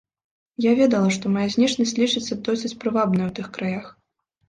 Я ведала, што мая знешнасць лічыцца досыць прывабнай у тых краях.